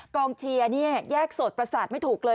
กองเชียร์เนี่ยแยกโสดประสาทไม่ถูกเลย